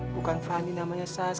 bukan fandi namanya sas